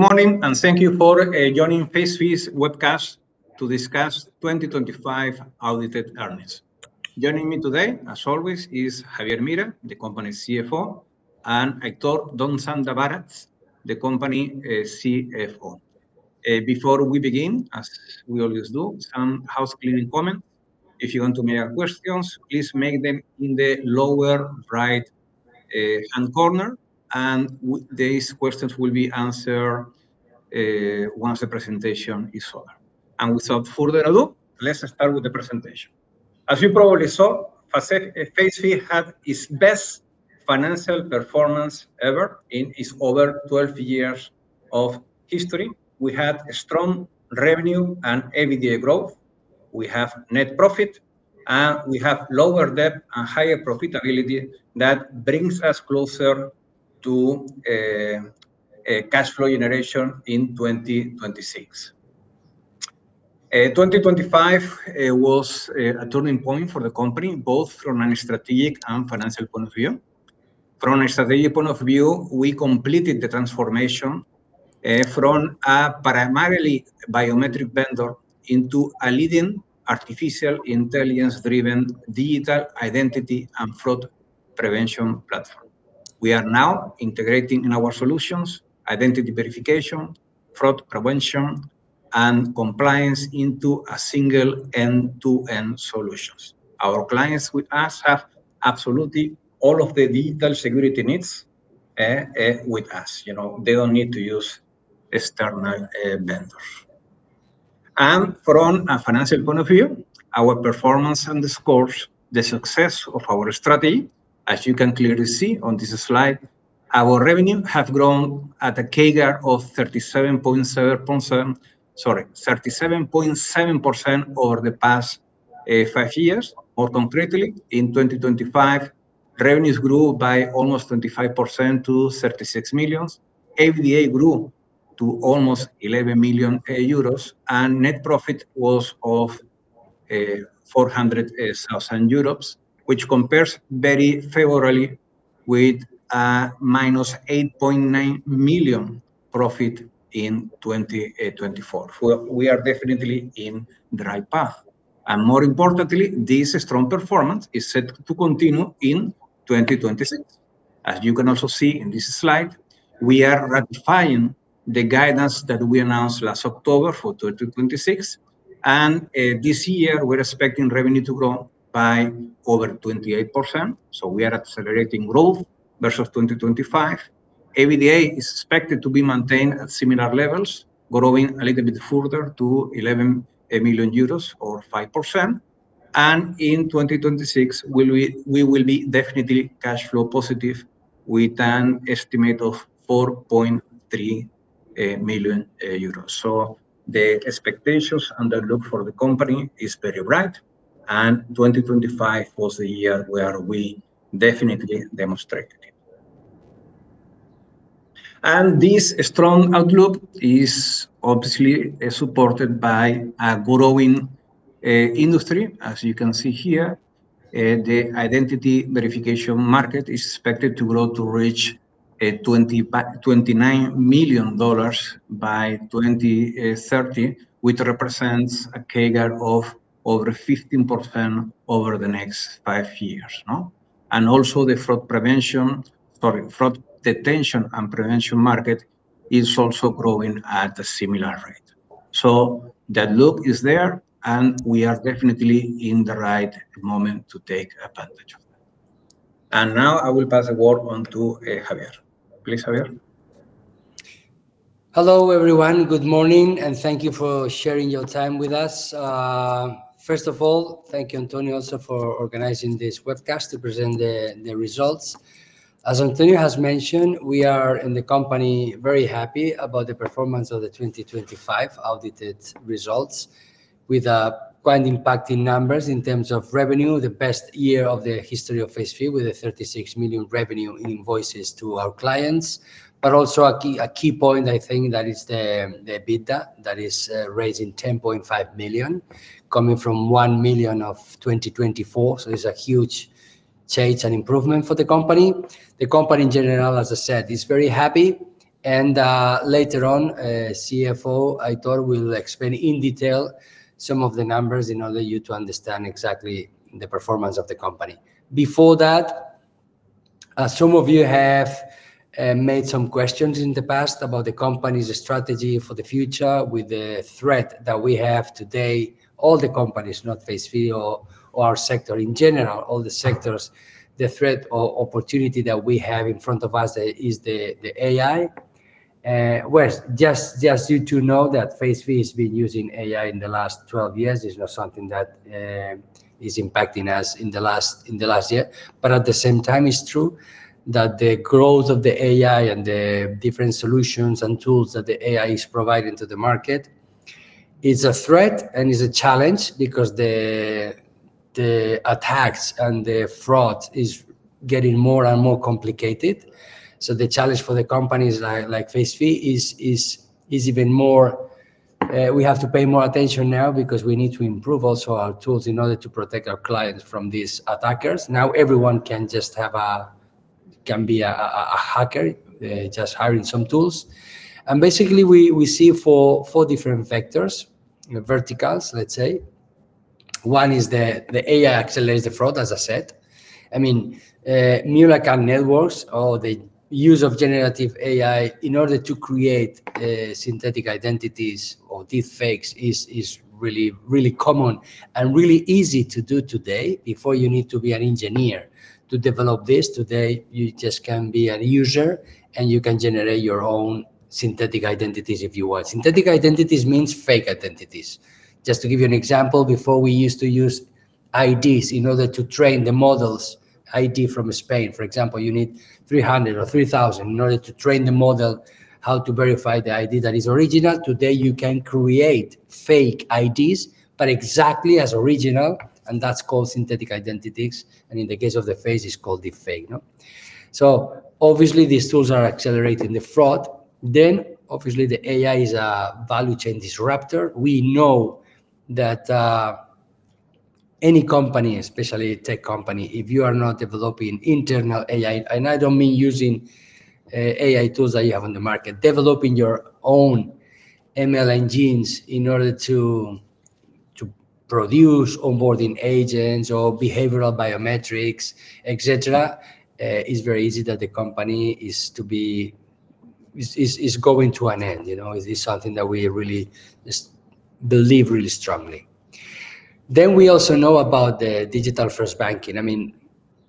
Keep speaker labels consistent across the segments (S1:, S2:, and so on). S1: Morning, thank you for joining Facephi's webcast to discuss 2025 audited earnings. Joining me today, as always, is Javier Mira, the company's CEO, and Aitor D'Oxandabaratz, the company CFO. Before we begin, as we always do, some housecleaning comment. If you want to make questions, please make them in the lower right-hand corner, these questions will be answered once the presentation is over. Without further ado, let's start with the presentation. As you probably saw, Facephi had its best financial performance ever in its over 12 years of history. We had a strong revenue and EBITDA growth. We have net profit, and we have lower debt and higher profitability that brings us closer to a cash flow generation in 2026. 2025 was a turning point for the company, both from a strategic and financial point of view. From a strategic point of view, we completed the transformation from a primarily biometric vendor into a leading Artificial Intelligence-driven digital identity and fraud prevention platform. We are now integrating in our solutions identity verification, fraud prevention, and compliance into a single end-to-end solutions. Our clients with us have absolutely all of their digital security needs with us. You know, they don't need to use external vendors. From a financial point of view, our performance underscores the success of our strategy. As you can clearly see on this slide, our revenue have grown at a CAGR of 37.7% over the past five years. More concretely, in 2025, revenues grew by almost 25% to 36 million. EBITDA grew to almost 11 million euros, net profit was of 400,000 euros which compares very favorably with a -8.9 million profit in 2024. We are definitely in the right path. More importantly, this strong performance is set to continue in 2026. As you can also see in this slide, we are ratifying the guidance that we announced last October for 2026. This year we're expecting revenue to grow by over 28%, so we are accelerating growth versus 2025. EBITDA is expected to be maintained at similar levels, growing a little bit further to 11 million euros or 5%. In 2026, we will be definitely cash flow positive with an estimate of 4.3 million euros. The expectations and the look for the company is very bright, and 2025 was the year where we definitely demonstrated it. This strong outlook is obviously supported by a growing industry. As you can see here, the identity verification market is expected to grow to reach $29 million by 2030, which represents a CAGR of over 15% over the next five years, no. Also the fraud detection and prevention market is also growing at a similar rate. The look is there, and we are definitely in the right moment to take advantage of that. Now I will pass the word on to Javier. Please, Javier.
S2: Hello, everyone. Good morning, and thank you for sharing your time with us. First of all, thank you, Antonio, also for organizing this webcast to present the results. As Antonio has mentioned, we are in the company very happy about the performance of the 2025 audited results with quite impacting numbers in terms of revenue, the best year of the history of Facephi with a 36 million revenue in invoices to our clients. Also a key point, I think, that is the EBITDA, that is raising 10.5 million coming from 1 million of 2024. It's a huge change and improvement for the company. The company in general, as I said, is very happy. Later on, CFO Aitor will explain in detail some of the numbers in order you to understand exactly the performance of the company. Before that, some of you have made some questions in the past about the company's strategy for the future with the threat that we have today. All the companies, not Facephi or our sector in general, all the sectors, the threat or opportunity that we have in front of us is the AI. Well, just you to know that Facephi has been using AI in the last 12 years. It's not something that is impacting us in the last year. At the same time, it's true that the growth of the AI and the different solutions and tools that the AI is providing to the market is a threat and is a challenge because the attacks and the fraud is getting more and more complicated. The challenge for the companies like Facephi is even more. We have to pay more attention now because we need to improve also our tools in order to protect our clients from these attackers. Now everyone can just can be a hacker, just hiring some tools. Basically we see four different vectors, verticals, let's say. One is the AI accelerates the fraud, as I said. I mean, mule account networks or the use of generative AI in order to create synthetic identities or deepfakes is really, really common and really easy to do today. Before you need to be an engineer to develop this. Today, you just can be a user, and you can generate your own synthetic identities if you want. Synthetic identities means fake identities. Just to give you an example, before we used to use IDs in order to train the models, ID from Spain, for example. You need 300 or 3,000 in order to train the model how to verify the ID that is original. Today, you can create fake IDs, but exactly as original, and that's called synthetic identities, and in the case of the face, it's called deepfake. Obviously these tools are accelerating the fraud. Obviously the AI is a value chain disruptor. We know that any company, especially a tech company, if you are not developing internal AI, and I don't mean using AI tools that you have on the market. Developing your own ML engines in order to produce onboarding agents or behavioral biometrics, et cetera, is very easy that the company is going to an end. You know. This is something that we really just believe really strongly. We also know about the digital-first banking. I mean,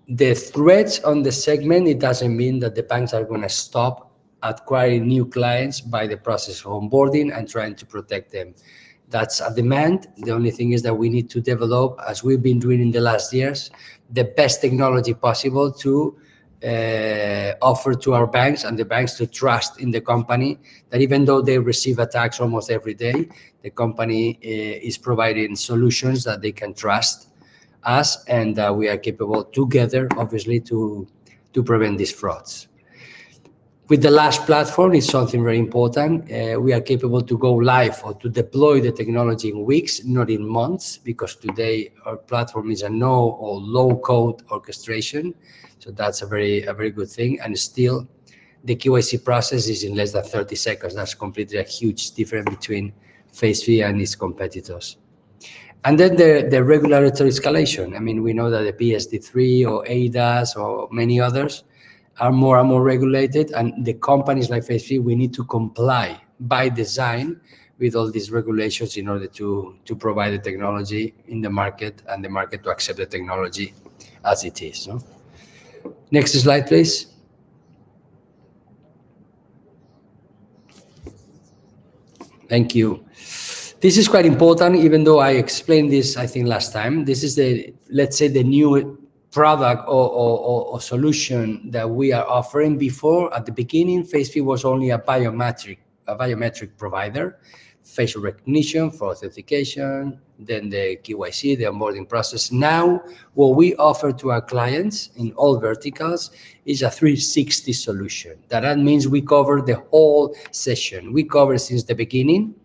S2: the threats on the segment, it doesn't mean that the banks are gonna stop acquiring new clients by the process of onboarding and trying to protect them. That's a demand. The only thing is that we need to develop, as we've been doing in the last years, the best technology possible to offer to our banks and the banks to trust in the company. That even though they receive attacks almost every day, the company is providing solutions that they can trust us, and we are capable together, obviously, to prevent these frauds. With the last platform, it's something very important. We are capable to go live or to deploy the technology in weeks, not in months, because today our platform is a no or low-code orchestration, that's a very good thing. Still the KYC process is in less than 30 seconds. That's completely a huge difference between Facephi and its competitors. The regulatory escalation. I mean, we know that the PSD3 or AI Act or many others are more and more regulated, and the companies like Facephi, we need to comply by design with all these regulations in order to provide the technology in the market and the market to accept the technology as it is, no? Next slide, please. Thank you. This is quite important, even though I explained this, I think, last time. This is, let's say, the new product or solution that we are offering. Before, at the beginning, Facephi was only a biometric provider, facial recognition for authentication, then the KYC, the onboarding process. Now, what we offer to our clients in all verticals is a 360 solution. That means we cover the whole session. We cover since the beginning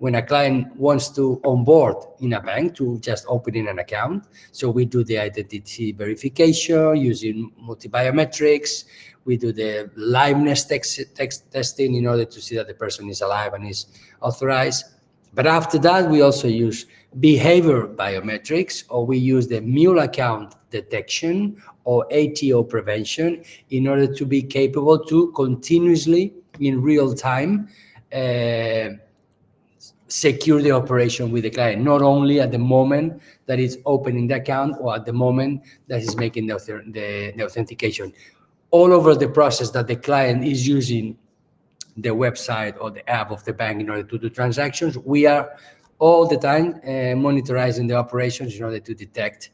S2: when a client wants to onboard in a bank to just opening an account. We do the identity verification using multi-biometrics. We do the liveness testing in order to see that the person is alive and is authorized. After that, we also use behavioral biometrics, or we use the mule account detection or ATO prevention in order to be capable to continuously, in real time, secure the operation with the client. Not only at the moment that he's opening the account or at the moment that he's making the authentication. All over the process that the client is using the website or the app of the bank in order to do transactions, we are all the time monitoring the operations in order to detect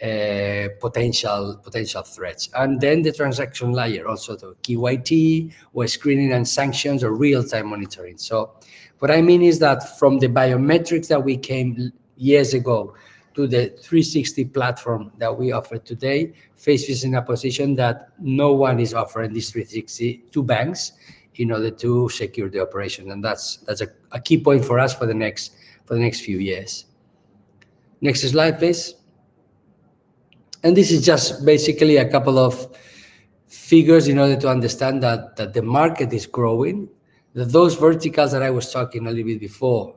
S2: potential threats. The transaction layer, also the KYT or screening and sanctions or real-time monitoring. From the biometrics that we came years ago to the 360 platform that we offer today, Facephi's in a position that no one is offering this 360 to banks in order to secure the operation. That's a key point for us for the next few years. Next slide, please. This is just basically a couple of figures in order to understand that the market is growing. Those verticals that I was talking a little bit before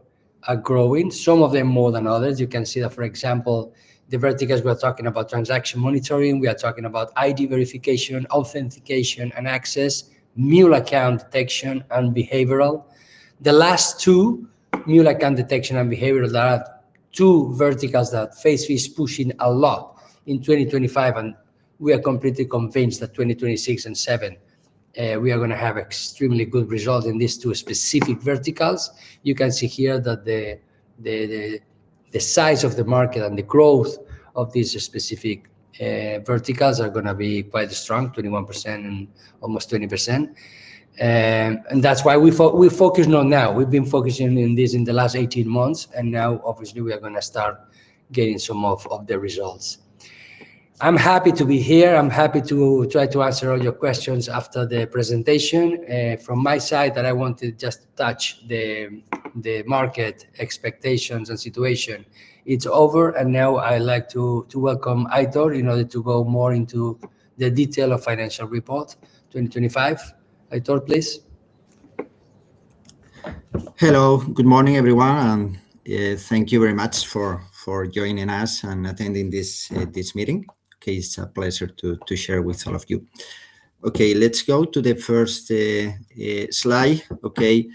S2: are growing, some of them more than others. You can see that, for example, the verticals we are talking about transaction monitoring. We are talking about ID verification, authentication and access, mule account detection, and behavioral. The last two, mule account detection and behavioral, they are two verticals that Facephi is pushing a lot in 2025. We are completely convinced that 2026 and 2027 we are gonna have extremely good results in these two specific verticals. You can see here that the size of the market and the growth of these specific verticals are gonna be quite strong, 21% and almost 20%. That's why we're focusing on now. We've been focusing in this in the last 18 months. Now obviously we are gonna start getting some of the results. I'm happy to be here. I'm happy to try to answer all your questions after the presentation. From my side that I want to just touch the market expectations and situation. It's over. Now I'd like to welcome Aitor in order to go more into the detail of financial report 2025. Aitor, please.
S3: Hello. Good morning, everyone, and thank you very much for joining us and attending this meeting. Okay, it's a pleasure to share with all of you. Okay, let's go to the first slide. Okay.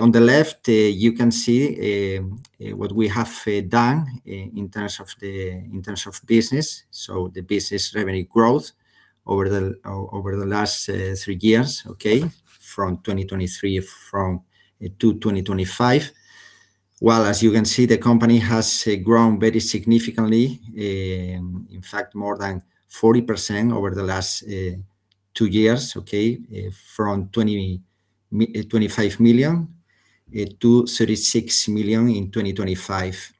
S3: On the left, you can see what we have done in terms of business, so the business revenue growth over the last three years, from 2023-2025. Well, as you can see, the company has grown very significantly. In fact, more than 40% over the last two years, okay? From 25 million-36 million in 2025.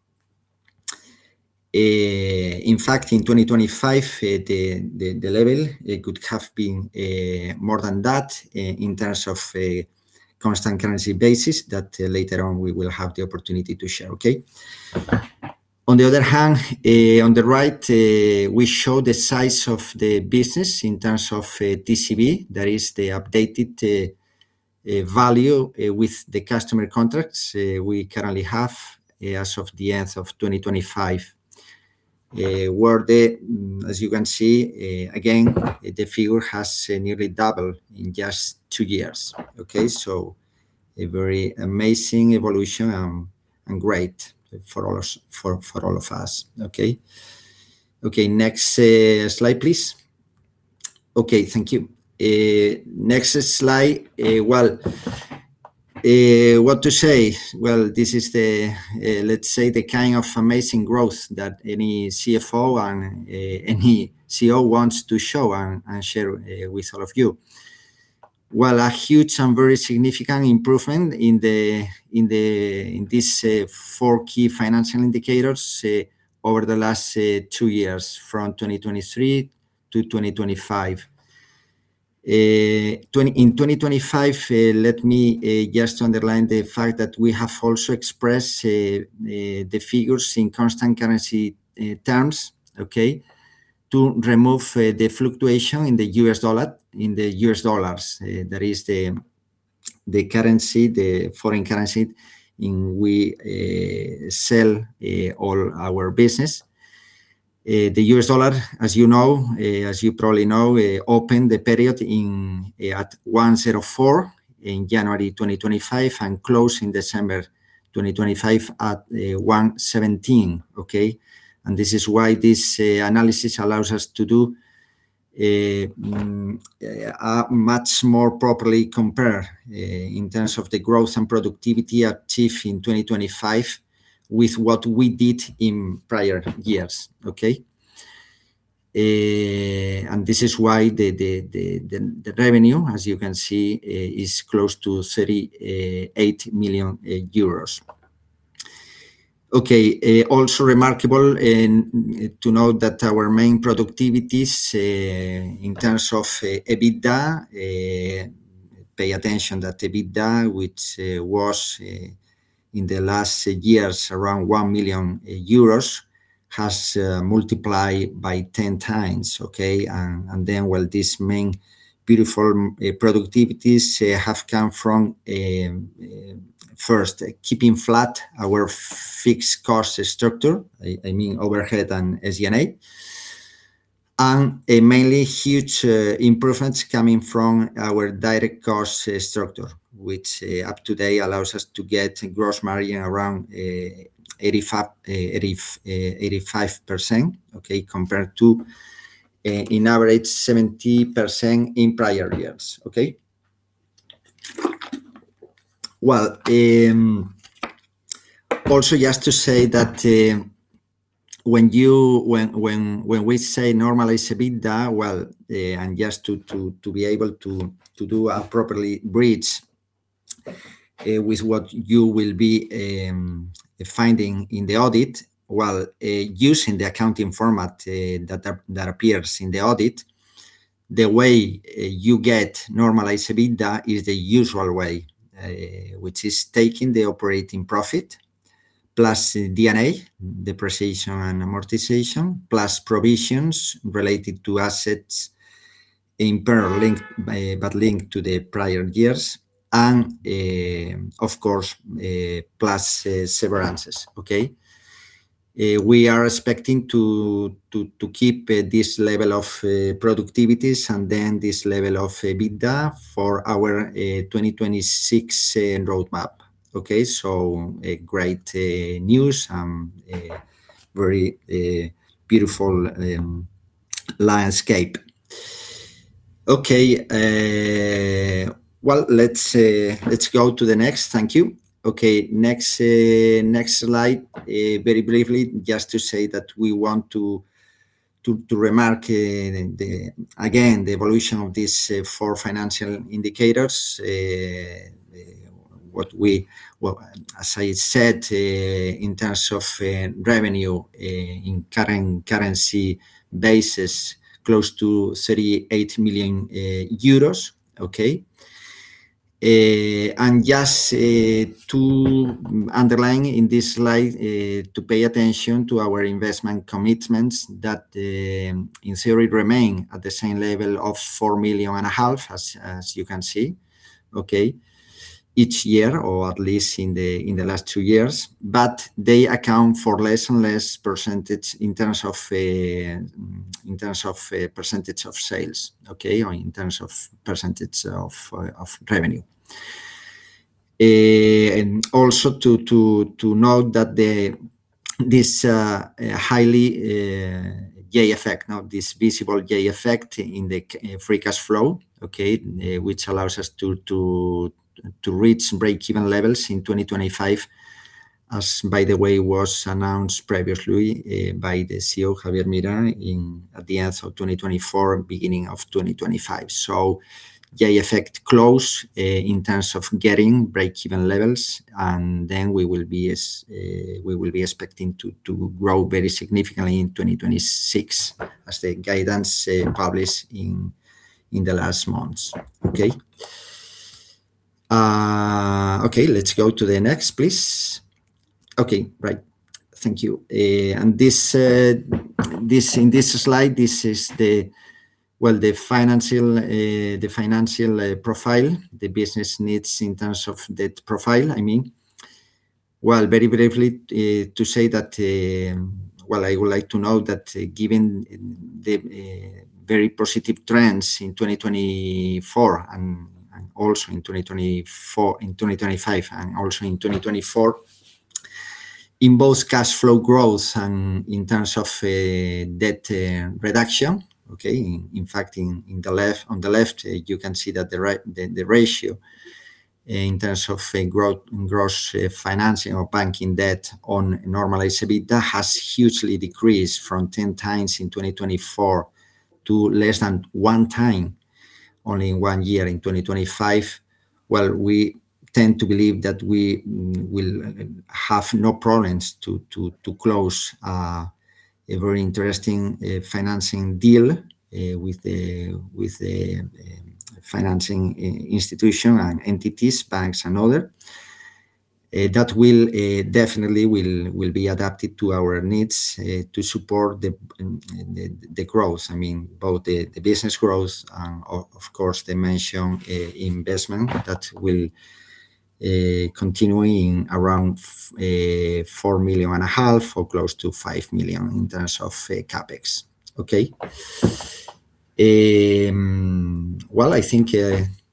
S3: In fact, in 2025, the level, it could have been more than that in terms of a constant currency basis that later on we will have the opportunity to share, okay. On the other hand, on the right, we show the size of the business in terms of TCV. That is the updated value with the customer contracts we currently have as of the end of 2025. Where as you can see, again, the figure has nearly doubled in just two years, okay. A very amazing evolution and great for all of us, okay. Okay, next slide, please. Okay, thank you. Next slide, well, what to say? Well, this is the, let's say, the kind of amazing growth that any CFO and any CEO wants to show and share with all of you. Well, a huge and very significant improvement in these four key financial indicators over the last two years, from 2023-2025. In 2025, let me just underline the fact that we have also expressed the figures in constant currency terms. To remove the fluctuation in the US dollars. That is the currency, the foreign currency in we sell all our business. The US dollar, as you know, as you probably know, opened the period at 1.04 in January 2025, and closed in December 2025 at 1.17, okay. This is why this analysis allows us to do much more properly compare in terms of the growth and productivity achieved in 2025 with what we did in prior years, okay. This is why the revenue, as you can see, is close to 38 million euros. Also remarkable to note that our main productivities in terms of EBITDA, pay attention that EBITDA, which was in the last years around 1 million euros, has multiplied by 10x, okay. Well, these main beautiful productivities have come from first keeping flat our fixed cost structure, I mean, overhead and SG&A. A mainly huge improvements coming from our direct cost structure, which up to date allows us to get gross margin around 85%, 85%, compared to in average 70% in prior years. Well, also just to say that when we say normalized EBITDA, well, and just to be able to do a properly bridge with what you will be finding in the audit, well, using the accounting format that appears in the audit, the way you get normalized EBITDA is the usual way, which is taking the operating profit plus D&A, depreciation and amortization, plus provisions related to assets impaired linked, but linked to the prior years and, of course, plus severances. Okay? We are expecting to keep this level of productivities and then this level of EBITDA for our 2026 roadmap. Okay? Great news and a very beautiful landscape. Okay. Well, let's go to the next. Thank you. Next slide. Very briefly, just to say that we want to remark again the evolution of these four financial indicators. Well, as I said, in terms of revenue, in current currency basis, close to EUR 38 million. And just to underline in this slide, to pay attention to our investment commitments that in theory remain at the same level of 4.5 million, as you can see. Each year, or at least in the last two years. They account for less and less percentage in terms of percentage of sales, or in terms of percentage of revenue. Also to note that this highly J-curve effect. This visible J-curve effect in the free cash flow. Which allows us to reach break-even levels in 2025. As by the way, was announced previously by the CEO, Javier Mira, at the end of 2024, beginning of 2025. J-curve effect close in terms of getting break-even levels. We will be expecting to grow very significantly in 2026 as the guidance published in the last months. Let's go to the next, please. Thank you. This slide, this is the financial profile. The business needs in terms of debt profile, I mean. I would like to note that given the very positive trends in 2024 and also in 2024, in 2025, and also in 2024, in both cash flow growth and in terms of debt reduction. Okay. In fact, on the left you can see that the ratio in terms of growth, gross financing or banking debt on normalized EBITDA has hugely decreased from 10x in 2024 to less than 1x only one year in 2025. We tend to believe that we will have no problems to close a very interesting financing deal with the financing institution and entities, banks and other. That will definitely be adapted to our needs to support the growth. I mean, both the business growth and of course the mentioned investment that will continuing around 4.5 Million or close to 5 million in terms of CapEx. Okay? Well, I think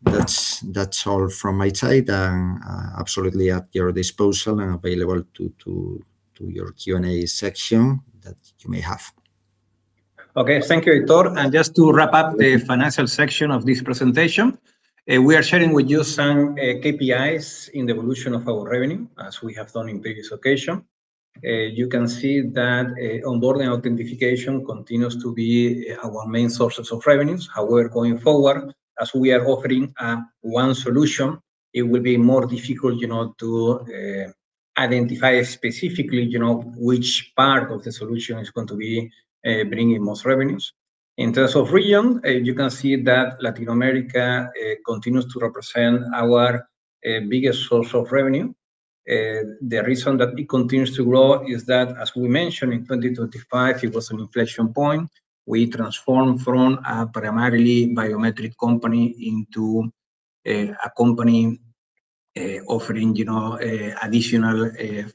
S3: that's all from my side. I'm absolutely at your disposal and available to your Q&A section that you may have.
S1: Okay. Thank you, Aitor. Just to wrap up the financial section of this presentation, we are sharing with you some KPIs in the evolution of our revenue, as we have done in previous occasion. You can see that onboarding authentication continues to be our main sources of revenues. However, going forward, as we are offering one solution, it will be more difficult, you know, to identify specifically, you know, which part of the solution is going to be bringing most revenues. In terms of region, you can see that Latin America continues to represent our biggest source of revenue. The reason that it continues to grow is that, as we mentioned, in 2025, it was an inflection point. We transformed from a primarily biometric company into a company offering, you know, additional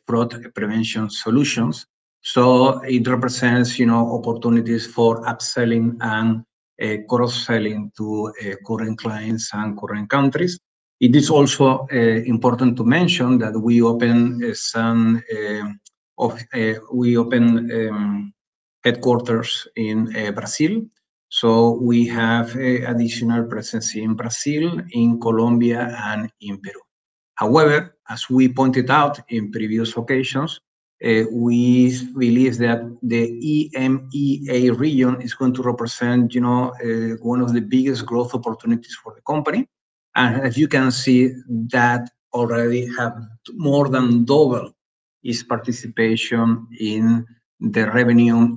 S1: fraud prevention solutions. It represents, you know, opportunities for upselling and cross-selling to current clients and current countries. It is also important to mention that we opened headquarters in Brazil. We have a additional presence in Brazil, in Colombia and in Peru. As we pointed out in previous occasions, we believe that the EMEA region is going to represent, you know, one of the biggest growth opportunities for the company. As you can see, that already have more than double its participation in the revenue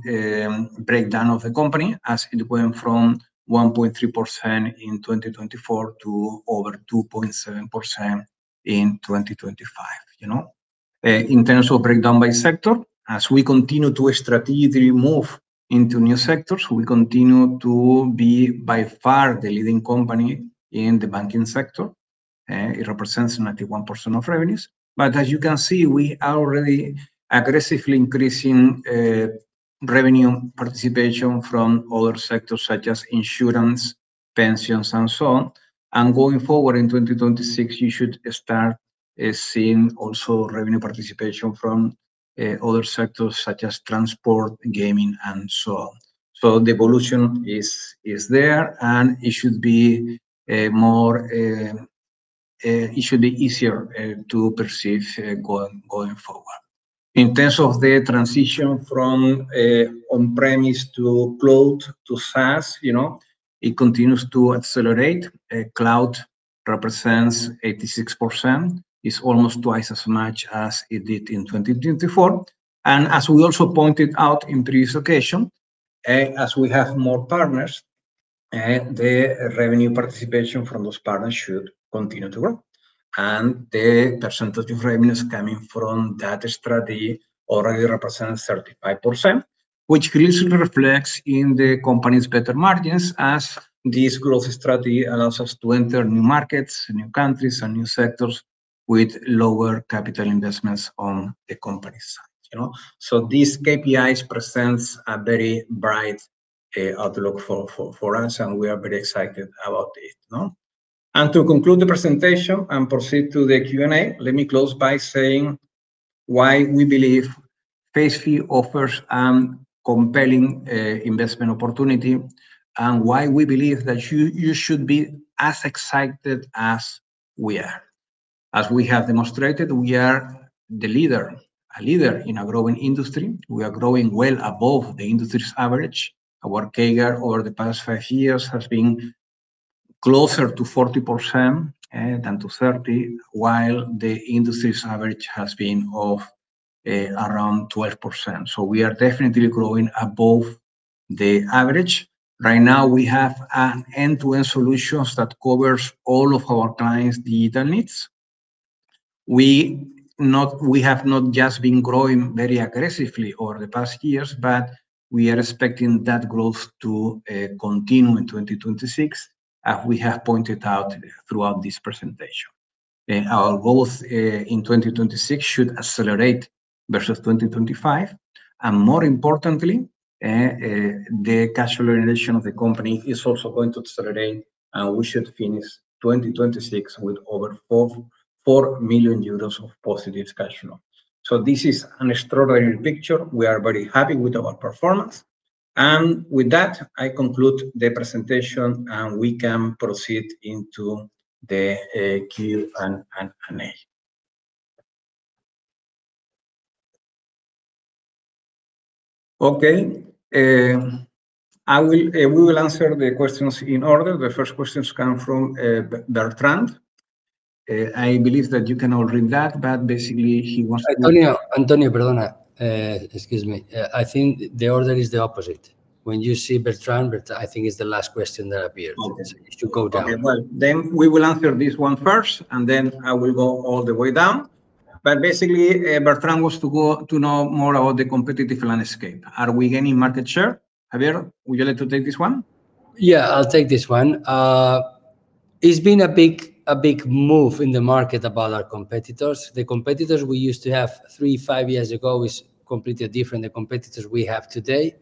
S1: breakdown of the company as it went from 1.3% in 2024 to over 2.7% in 2025, you know? In terms of breakdown by sector, as we continue to strategically move into new sectors, we continue to be by far the leading company in the banking sector. It represents 91% of revenues. As you can see, we are really aggressively increasing revenue participation from other sectors such as insurance, pensions and so on. Going forward, in 2026, you should start seeing also revenue participation from other sectors such as transport, gaming and so on. The evolution is there, and it should be easier to perceive going forward. In terms of the transition from on-premise to cloud to SaaS, you know, it continues to accelerate. Cloud represents 86%, is almost twice as much as it did in 2024. As we also pointed out in previous occasion, as we have more partners, the revenue participation from those partners should continue to grow. The percentage of revenues coming from that strategy already represents 35%, which clearly reflects in the company's better margins as this growth strategy allows us to enter new markets, new countries, and new sectors with lower capital investments on the company side, you know? These KPIs presents a very bright outlook for us, and we are very excited about it, no? To conclude the presentation and proceed to the Q&A, let me close by saying why we believe Facephi offers an compelling investment opportunity, and why we believe that you should be as excited as we are. As we have demonstrated, we are a leader in a growing industry. We are growing well above the industry's average. Our CAGR over the past five years has been closer to 40% than to 30, while the industry's average has been of around 12%. We are definitely growing above the average. Right now we have an end-to-end solutions that covers all of our clients' data needs. We have not just been growing very aggressively over the past years, but we are expecting that growth to continue in 2026, as we have pointed out throughout this presentation. Our growth in 2026 should accelerate versus 2025. More importantly, the cash generation of the company is also going to accelerate. We should finish 2026 with over 4 million euros of positive cash flow. This is an extraordinary picture. We are very happy with our performance. With that, I conclude the presentation, and we can proceed into the Q&A. Okay. We will answer the questions in order. The first questions come from Bertrand. I believe that you can all read that, but basically he wants to know.
S2: Antonio González, excuse me. I think the order is the opposite. When you see Bertrand, I think is the last question that appeared.
S1: Okay.
S2: It should go down.
S1: We will answer this one first, and then I will go all the way down. Basically, Bertrand wants to know more about the competitive landscape. Are we gaining market share? Javier, would you like to take this one?
S2: Yeah, I'll take this one. It's been a big move in the market about our competitors. The competitors we used to have three, five years ago is completely different than competitors we have today.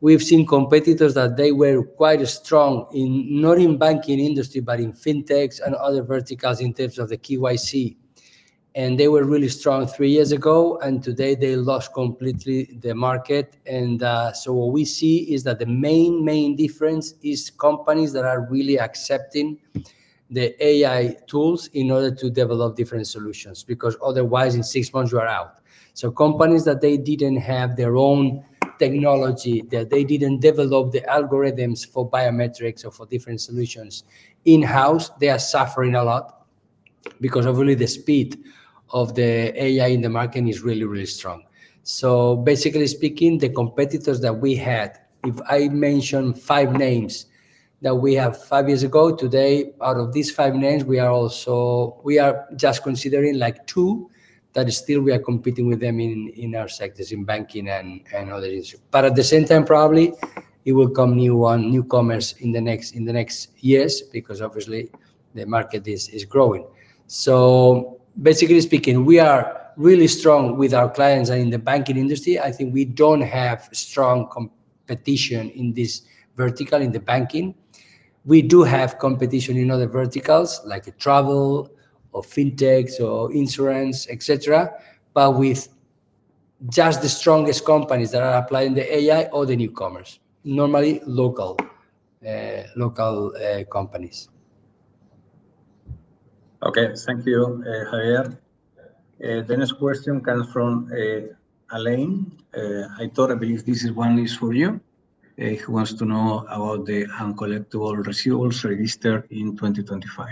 S2: We've seen competitors that they were quite strong in, not in banking industry, but in fintechs and other verticals in terms of the KYC. They were really strong three years ago, and today they lost completely the market. What we see is that the main difference is companies that are really accepting the AI tools in order to develop different solutions, because otherwise in six months you are out. Companies that they didn't have their own technology, that they didn't develop the algorithms for biometrics or for different solutions in-house, they are suffering a lot because of the speed of the AI in the market is really strong. Basically speaking, the competitors that we had, if I mention five names that we have five years ago, today out of these five names, we are just considering like two that still we are competing with them in our sectors, in banking and other industry. At the same time probably it will come new one, newcomers in the next years because obviously the market is growing. Basically speaking, we are really strong with our clients and in the banking industry. I think we don't have strong competition in this vertical, in the banking. We do have competition in other verticals like travel or fintechs or insurance, et cetera. With just the strongest companies that are applying the AI or the newcomers, normally local companies.
S1: Okay. Thank you, Javier. The next question comes from Alain. Aitor, I believe this one is for you. He wants to know about the uncollectible receivables registered in 2025.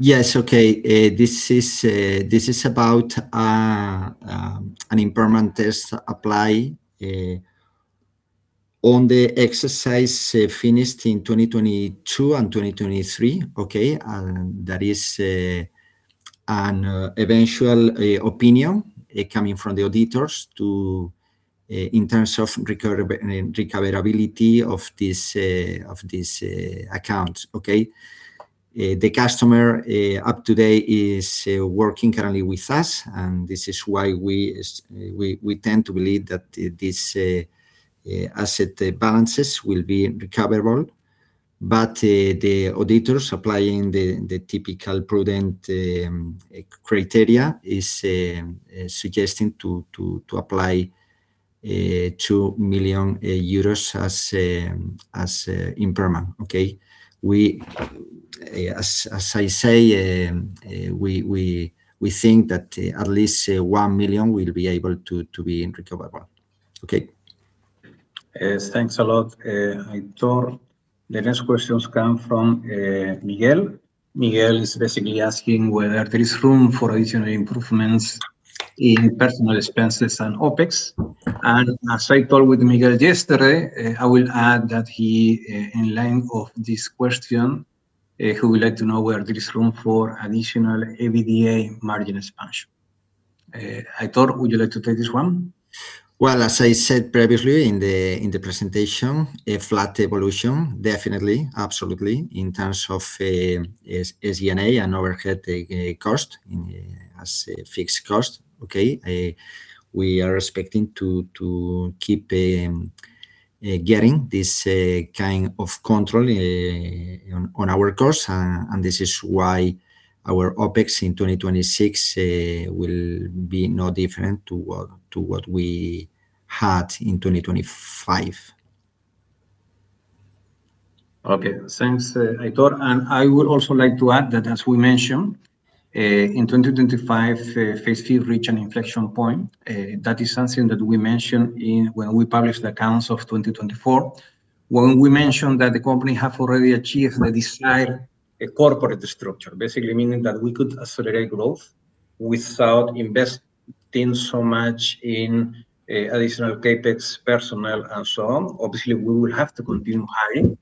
S3: Yes, okay. This is about an impairment test apply on the exercise finished in 2022 and 2023. That is an eventual opinion coming from the auditors to in terms of recoverability of this account. The customer up to date is working currently with us, and this is why we tend to believe that this asset balances will be recoverable. The auditors applying the typical prudent criteria is suggesting to apply 2 million euros as impairment. We, as I say, we think that at least 1 million will be able to be recoverable.
S1: Yes, thanks a lot, Aitor. The next questions come from Miguel. Miguel is basically asking whether there is room for additional improvements in personal expenses and OpEx. As I talked with Miguel yesterday, I will add that he, in line of this question, he would like to know where there is room for additional EBITDA margin expansion. Aitor, would you like to take this one?
S3: Well, as I said previously in the presentation, a flat evolution, definitely, absolutely, in terms of SG&A and overhead cost, as a fixed cost. Okay, we are expecting to keep getting this kind of control on our costs. This is why our OpEx in 2026 will be no different to what we had in 2025.
S1: Okay. Thanks, Aitor. I would also like to add that as we mentioned, in 2025, Facephi reached an inflection point. That is something that we mentioned in, when we published the accounts of 2024, when we mentioned that the company have already achieved the desired corporate structure, basically meaning that we could accelerate growth without investing so much in additional CapEx, personnel, and so on. Obviously, we will have to continue hiring,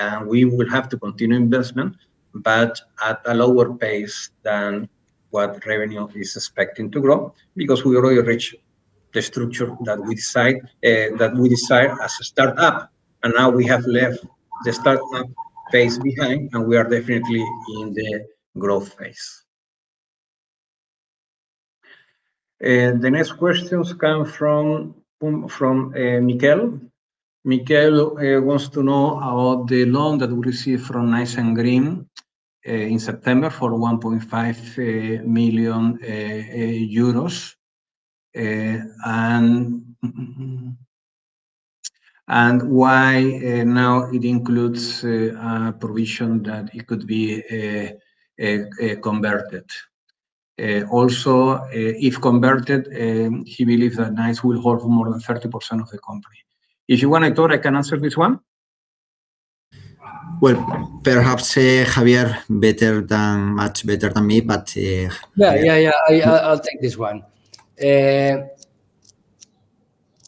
S1: and we will have to continue investment, but at a lower pace than what revenue is expecting to grow because we already reached the structure that we desired as a startup, and now we have left the startup phase behind and we are definitely in the growth phase. The next questions come from Miguel. Miguel wants to know about the loan that we received from Nice & Green in September for 1.5 million euros. Why now it includes a provision that it could be converted. If converted, he believes that Nice will hold more than 30% of the company. If you want, Aitor, I can answer this one.
S3: Well, perhaps, Javier much better than me.
S2: Yeah, yeah. I'll take this one.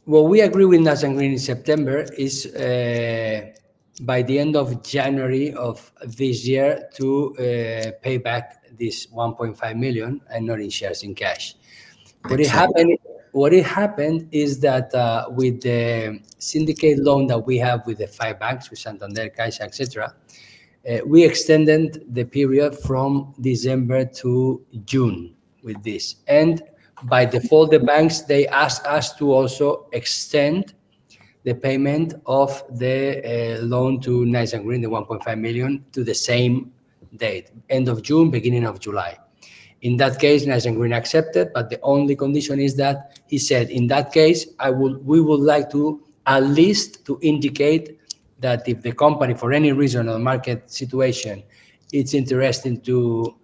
S2: What we agreed with Nice & Green in September is by the end of January of this year to pay back this 1.5 million and not in shares, in cash.
S3: Okay.
S2: What happened is that, with the syndicate loan that we have with the five banks, with Santander, CaixaBank, et cetera, we extended the period from December to June with this. By default, the banks, they asked us to also extend the payment of the loan to Nice & Green, the 1.5 million, to the same date, end of June, beginning of July. In that case, Nice & Green accepted, but the only condition is that he said, "In that case, we would like to at least to indicate that if the company, for any reason or market situation, it's interesting to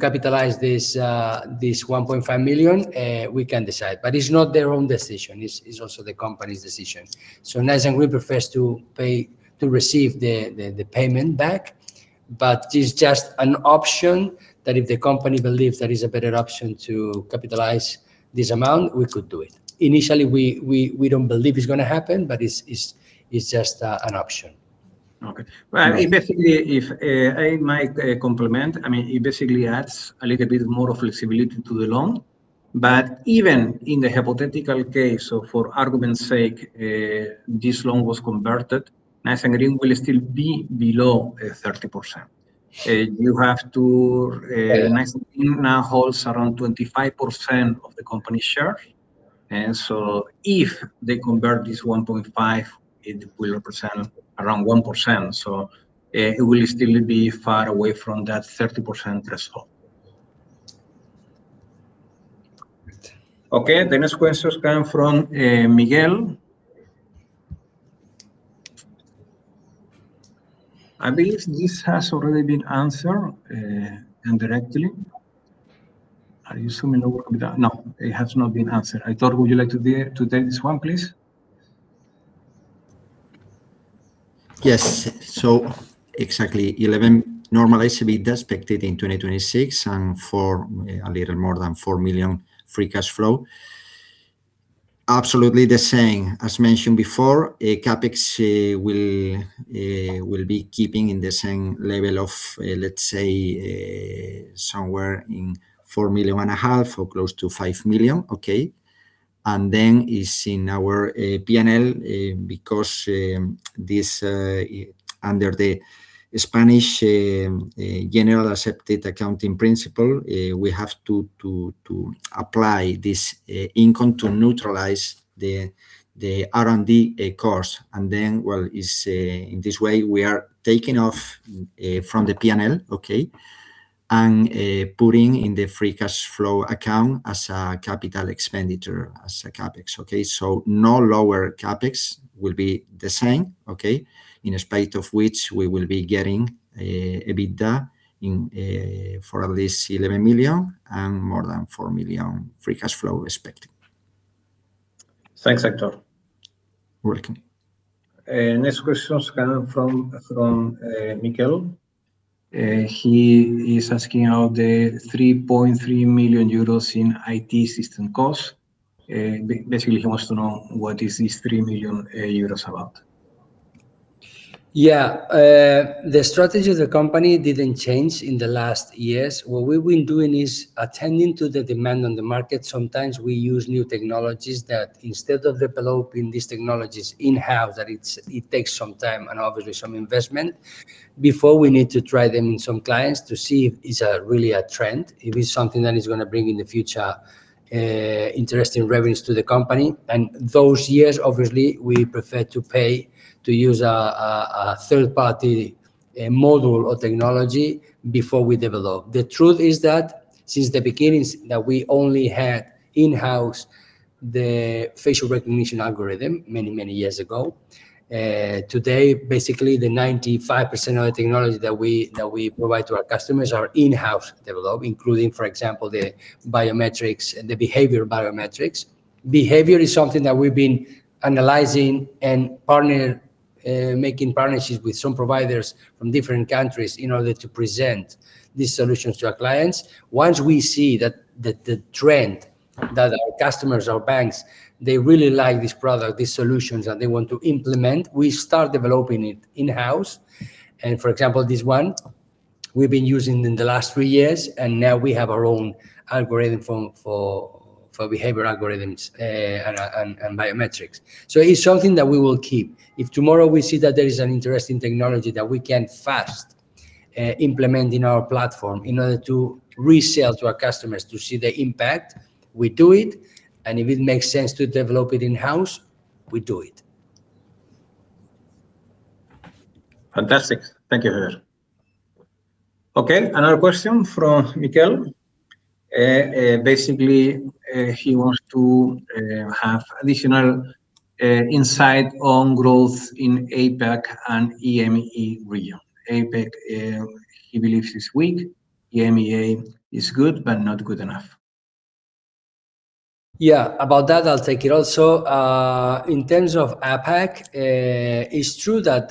S2: capitalize this 1.5 million, we can decide." It's not their own decision. It's also the company's decision. Nice & Green prefers to pay, to receive the payment back, but it's just an option that if the company believes that is a better option to capitalize this amount, we could do it. Initially, we don't believe it's gonna happen, but it's just an option.
S3: Okay.
S1: Well, basically, if I might complement, it basically adds a little bit more of flexibility to the loan. Even in the hypothetical case, so for argument's sake, this loan was converted, Nice & Green will still be below 30%.
S3: Yeah
S1: Nice & Green now holds around 25% of the company share. If they convert this 1.5 million, it will represent around 1%. It will still be far away from that 30% threshold.
S3: Great.
S1: Okay. The next questions come from Miguel. I believe this has already been answered indirectly. Are you still in the work with that? No, it has not been answered. Aitor, would you like to take this one, please?
S3: Yes. Exactly 11 normalized EBITDA expected in 2026 and for a little more than 4 million free cash flow. Absolutely the same. As mentioned before, CapEx will be keeping in the same level of, let's say, somewhere in 4 million and a half or close to 5 million. Okay. It's in our P&L because this under the Spanish general accepted accounting principle, we have to apply this income to neutralize the R&D cost. Well, it's in this way we are taking off from the P&L. Okay. Putting in the free cash flow account as a capital expenditure, as a CapEx, okay. No lower CapEx will be the same, okay. In spite of which we will be getting, a EBITDA in, for at least 11 million and more than 4 million free cash flow expected.
S1: Thanks, Aitor.
S3: Welcome.
S1: Next question's coming from Miguel. He is asking about the 3.3 million euros in IT system costs. Basically he wants to know what is this 3 million euros about.
S2: Yeah. The strategy of the company didn't change in the last years. What we've been doing is attending to the demand on the market. Sometimes we use new technologies that instead of developing these technologies in-house, that it takes some time and obviously some investment. Before we need to try them in some clients to see if it's a really a trend, if it's something that is gonna bring in the future, interesting revenues to the company. Those years, obviously, we prefer to pay to use a third-party module or technology before we develop. The truth is that since the beginnings that we only had in-house the facial recognition algorithm many, many years ago. Today, basically the 95% of the technology that we provide to our customers are in-house developed, including, for example, the biometrics, the behavioral biometrics. Behavior is something that we've been analyzing and making partnerships with some providers from different countries in order to present these solutions to our clients. Once we see that the trend that our customers, our banks, they really like this product, these solutions, and they want to implement, we start developing it in-house. For example, this one, we've been using in the last three years, and now we have our own algorithm for behavior algorithms and biometrics. It's something that we will keep. If tomorrow we see that there is an interesting technology that we can fast implement in our platform in order to resell to our customers to see the impact, we do it, and if it makes sense to develop it in-house, we do it.
S1: Fantastic. Thank you, Javier. Okay. Another question from Miguel. Basically, he wants to have additional insight on growth in APAC and EMEA region. APAC, he believes is weak. EMEA is good, but not good enough.
S2: Yeah. About that, I'll take it also. In terms of APAC, it's true that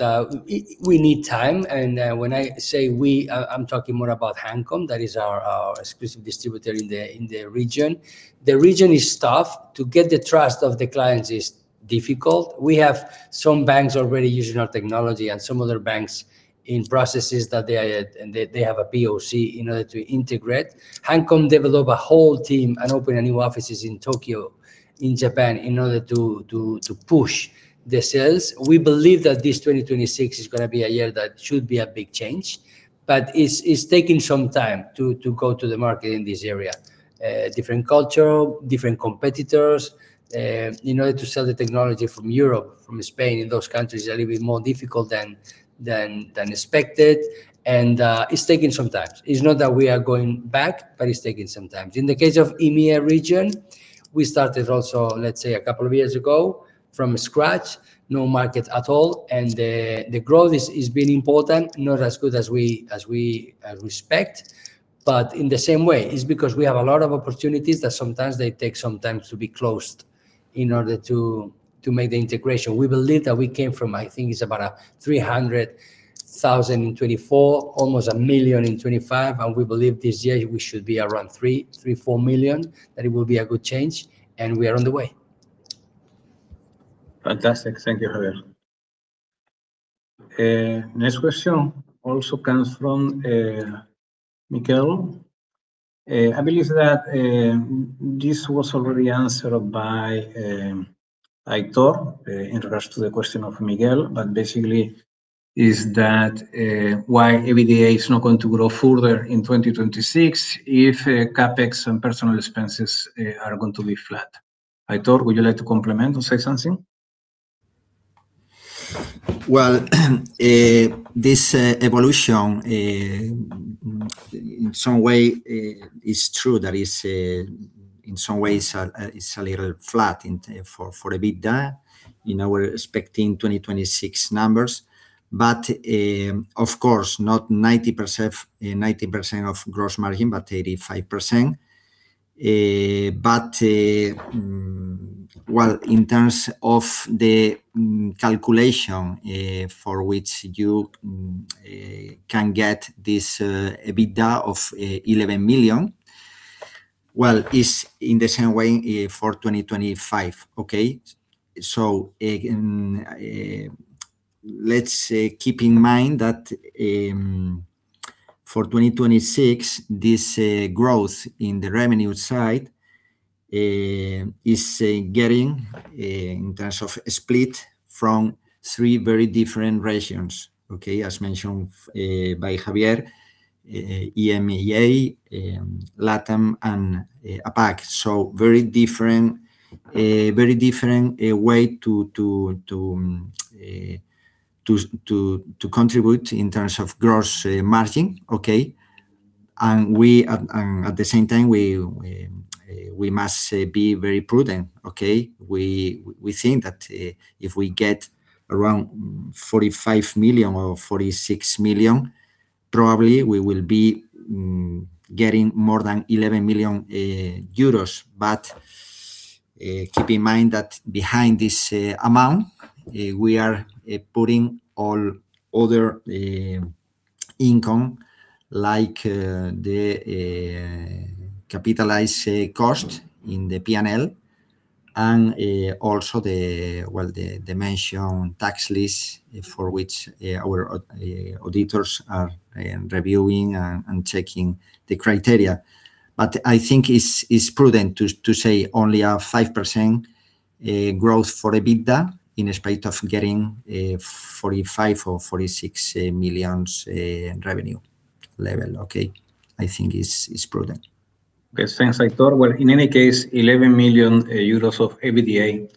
S2: we need time, and when I say we, I'm talking more about Hancom. That is our exclusive distributor in the region. The region is tough. To get the trust of the clients is difficult. We have some banks already using our technology and some other banks in processes that they are and they have a POC in order to integrate. Hancom develop a whole team and open a new offices in Tokyo, in Japan, in order to push the sales. We believe that this 2026 is gonna be a year that should be a big change. It's taking some time to go to the market in this area, different culture, different competitors. In order to sell the technology from Europe, from Spain in those countries, a little bit more difficult than expected, it's taking some time. It's not that we are going back, but it's taking some time. In the case of EMEA region, we started also, let's say, a couple of years ago from scratch, no market at all, the growth is really important, not as good as we expect. In the same way, it's because we have a lot of opportunities that sometimes they take some time to be closed in order to make the integration. We believe that we came from, I think it's about 300,000 in 2024, almost 1 million in 2025, and we believe this year we should be around 3 million-4 million, that it will be a good change, and we are on the way.
S1: Fantastic. Thank you, Javier. Next question also comes from Miguel. I believe that this was already answered by Aitor in regards to the question of Miguel, but basically is that why EBITDA is not going to grow further in 2026 if CapEx and personal expenses are going to be flat. Aitor, would you like to complement or say something?
S3: This evolution, in some way, is true that it's, in some ways, is a little flat in for EBITDA. You know, we're expecting 2026 numbers. Of course, not 90% of gross margin, but 85%. In terms of the calculation, for which you can get this EBITDA of 11 million, is in the same way for 2025. Again, let's keep in mind that for 2026, this growth in the revenue side is getting in terms of split from three very different regions. As mentioned by Javier, EMEA, LATAM, and APAC. Very different way to contribute in terms of gross margin. At the same time, we must be very prudent, okay. We think that if we get around 45 million or 46 million, probably we will be getting more than 11 million euros. Keep in mind that behind this amount, we are putting all other income like the capitalized cost in the P&L and also the deduction tax credits, for which our auditors are reviewing and checking the criteria. I think it's prudent to say only a 5% growth for EBITDA in spite of getting 45 million or 46 million revenue level, okay. I think it's prudent.
S1: Okay. Thanks, Aitor. Well, in any case, 11 million euros of EBITDA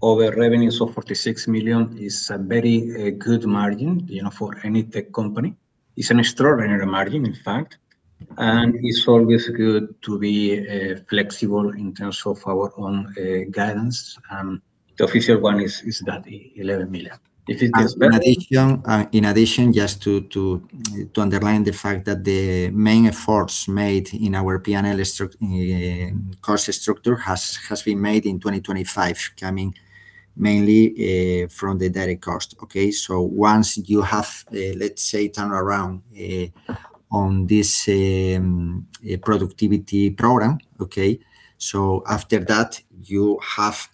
S1: over revenues of 46 million is a very good margin, you know, for any tech company. It's an extraordinary margin, in fact, and it's always good to be flexible in terms of our own guidance. The official one is that, 11 million. If it does better.
S3: In addition, just to underline the fact that the main efforts made in our P&L cost structure has been made in 2025, coming mainly from the data cost. Once you have turnaround on this productivity program. After that, you have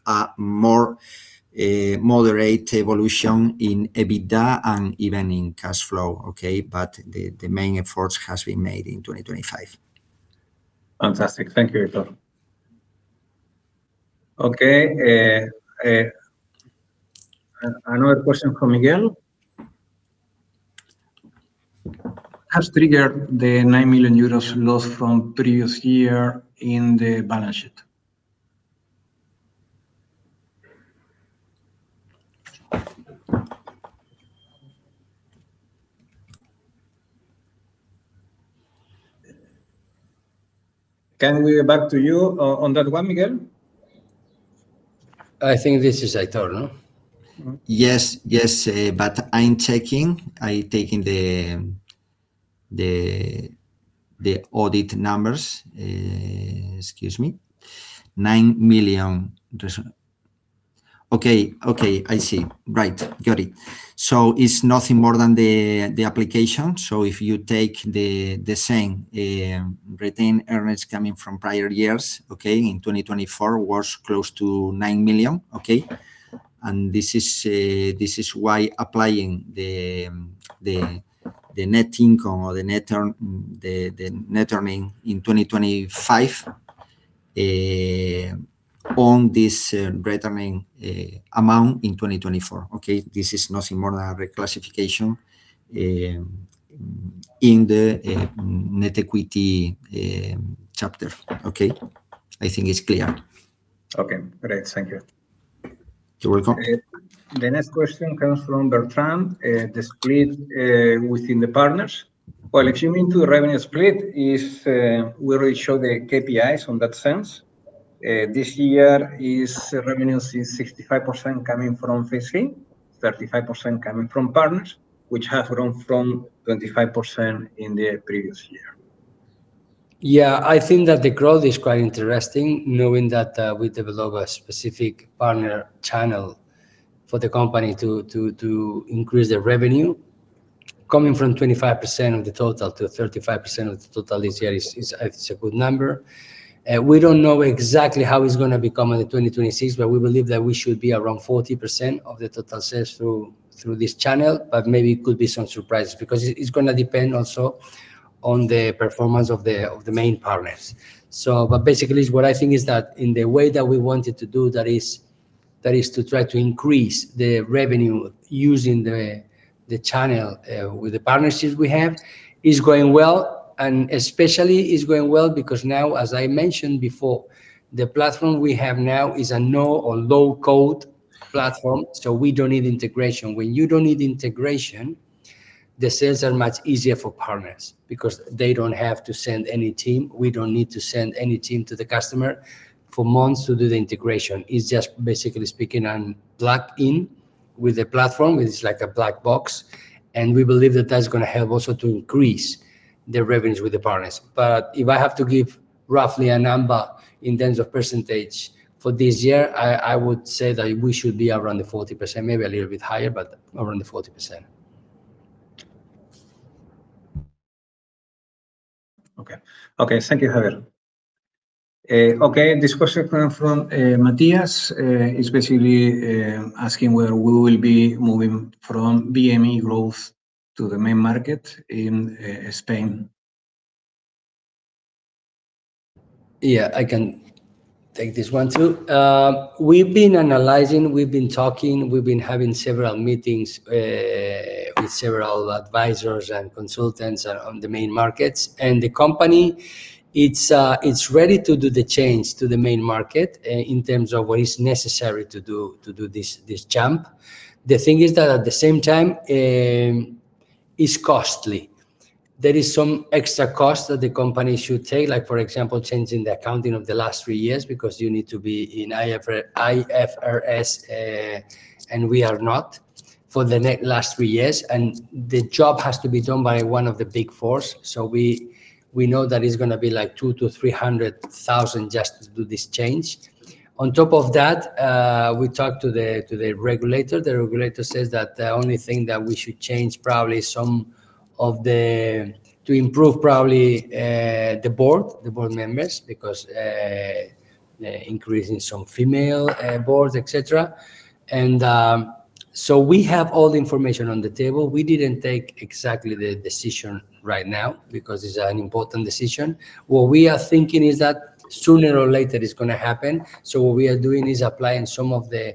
S3: a more moderate evolution in EBITDA and even in cash flow. The main efforts has been made in 2025.
S1: Fantastic. Thank you, Aitor. Okay. Another question from Miguel. Has triggered the 9 million euros loss from previous year in the balance sheet. Can we get back to you on that one, Miguel?
S2: I thi`nk this is Aitor, no?
S3: Yes. Yes. I'm checking. I'm taking the audit numbers. Excuse me. 9 million. Okay. Okay. I see. Right. Got it. It's nothing more than the application. If you take the same retained earnings coming from prior years, okay? In 2024 was close to 9 million, okay? This is why applying the net income or the net earning in 2025 on this returning amount in 2024, okay? This is nothing more than a reclassification in the net equity chapter. Okay? I think it's clear.
S1: Okay. Great. Thank you.
S3: You're welcome.
S1: The next question comes from Bertrand. The split within the partners. Well, if you mean to revenue split is, we already show the KPIs on that sense. This year is revenue is 65% coming from Facephi, 35% coming from partners, which have grown from 25% in the previous year.
S2: Yeah. I think that the growth is quite interesting knowing that we develop a specific partner channel for the company to increase their revenue. Coming from 25% of the total to 35% of the total this year is a good number. We don't know exactly how it's gonna become in the 2026, but we believe that we should be around 40% of the total sales through this channel, but maybe it could be some surprise because it's gonna depend also on the performance of the main partners. Basically is what I think is that in the way that we wanted to do, that is to try to increase the revenue using the channel with the partnerships we have, is going well. Especially is going well because now, as I mentioned before, the platform we have now is a no or low-code platform. We don't need integration. When you don't need integration, the sales are much easier for partners because they don't have to send any team. We don't need to send any team to the customer for months to do the integration. It's just basically speaking on plug in with the platform. It's like a black box. We believe that that's gonna help also to increase the revenues with the partners. If I have to give roughly a number in terms of percentage for this year, I would say that we should be around the 40%, maybe a little bit higher, but around the 40%.
S1: Okay. Okay. Thank you, Javier. Okay. This question coming from Matthias. He's basically asking whether we will be moving from BME Growth to the main market in Spain.
S2: Yeah. I can take this one too. We've been analyzing, we've been talking, we've been having several meetings with several advisors and consultants on the main markets. The company, it's ready to do the change to the main market in terms of what is necessary to do this jump. The thing is that at the same time, it's costly. There is some extra cost that the company should take, like for example, changing the accounting of the last three years because you need to be in IFRS, and we are not for the last three years. The job has to be done by one of the Big Four. We know that it's gonna be like 200,000-300,000 just to do this change. On top of that, we talked to the regulator. The regulator says that the only thing that we should change probably some of the to improve probably the board, the board members, because increasing some female boards, et cetera. We have all the information on the table. We didn't take exactly the decision right now because it's an important decision. What we are thinking is that sooner or later it's gonna happen. What we are doing is applying some of the